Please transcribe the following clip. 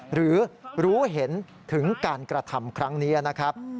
หรือรู้เห็นถึงการกระทำครั้งนี้นะครับ